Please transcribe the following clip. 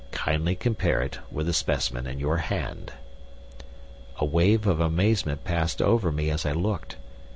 Kindly compare it with the specimen in your hand." A wave of amazement passed over me as I looked.